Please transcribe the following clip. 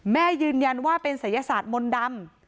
แม่ยืนยันว่าเป็นศัยศาสตร์มนต์ดำ